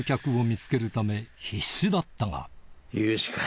融資か。